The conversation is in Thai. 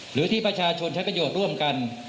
หรือที่ประชาชนใช้ประโยชน์ร่วมกัน